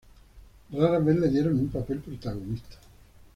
Rara vez le dieron un papel protagonista.